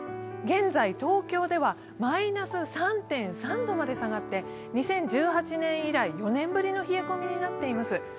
現在、東京ではマイナス３．３度まで下がって２０１８年以来、４年ぶりの冷え込みになっています。